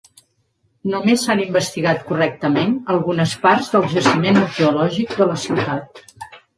Només s'han investigat correctament algunes parts del jaciment arqueològic de la ciutat.